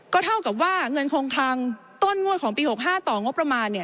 ก็เท่ากับว่าเงินคงคลังต้นงวดของปี๖๕ต่องบประมาณ